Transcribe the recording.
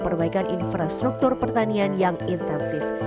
perbaikan infrastruktur pertanian yang intensif